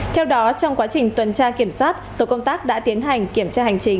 theo đó trong quá trình tuần tra kiểm soát tổ công tác đã tiến hành kiểm tra hành chính